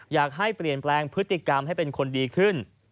อยากให้เปลี่ยนแปลงพฤติกรรมให้เป็นคนดีขึ้น